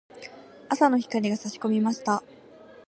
朝の光が差し込みました。